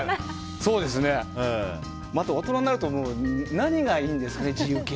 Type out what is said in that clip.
でも、大人になると何がいいんですかね。